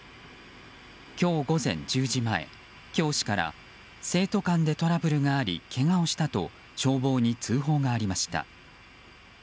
今日午前１０時前、教師から生徒間でトラブルがありけがをしたと消防に通報がありました。